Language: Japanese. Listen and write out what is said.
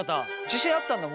自信あったんだ？